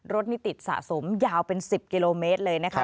รถนี่ติดสะสมยาวเป็น๑๐กิโลเมตรเลยนะคะ